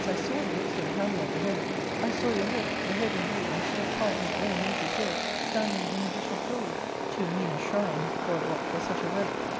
I saw the excellent Pamela beheaded ; I saw your head — ^the head, indeed, and chief part of all nature's works — standing in a dish of gold — too mean a shrine, God wot, for such a relic.